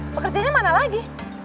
pekerjanya mana lagi